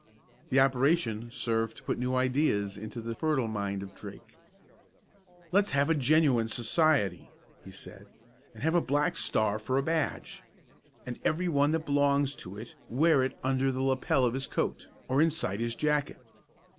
The operation served to put new ideas into the fertile mind of Drake. "Let's have a genuine society," he said, "and have a black star for a badge, and every one that belongs to it wear it under the lapel of his coat, or inside his jacket."